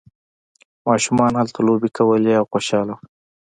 ماشومان هلته لوبې کولې او خوشحاله وو.